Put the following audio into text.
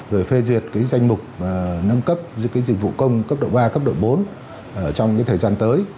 rồi phê duyệt danh mục nâng cấp dịch vụ công cấp độ ba cấp độ bốn trong thời gian tới